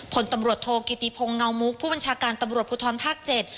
ผลตำรวจโทกิติพงศ์เงามุกผู้บัญชาการตำรวจภูทรภาค๗